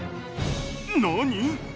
何！？